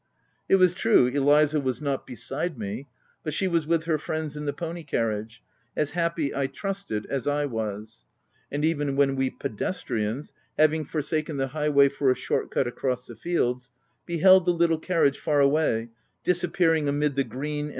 It was true, Eliza was not beside me; but she was with her friends in the pony carriage, as happy, I trusted, as I was ; and even when we pedestrians, having forsaken the highway for a short cut across the fields, beheld the little carriage far away, disappearing amid the green, OF WILDPELL HALL.